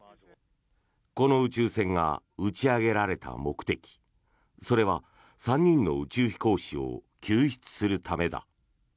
この宇宙船が打ち上げられた目的それは３人の宇宙飛行士を救出するためだ。